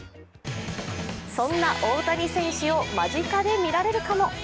そんな大谷選手を間近で見られるかも！